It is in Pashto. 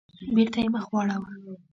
بېرته يې مخ راواړاوه.